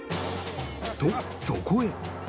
とそこへ